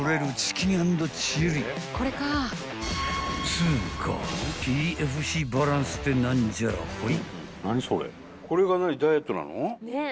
［つうかＰＦＣバランスって何じゃらほい］